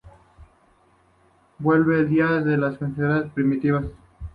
Vuelan de día y se las considera primitivas.